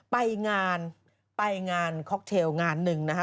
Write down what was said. ไปงานไปงานค็อกเทลงานหนึ่งนะคะ